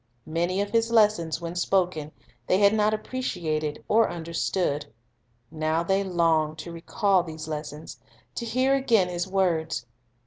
Many of His lessons, when spoken, they had not appreciated or understood; now they longed to recall these lessons, to hear again His words.